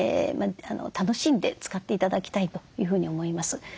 楽しんで使って頂きたいというふうに思います。